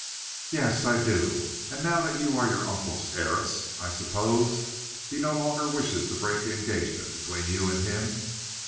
"Yes, I do. And now that you are your uncle's heiress, I suppose he no longer wishes to break the engagement between you and him."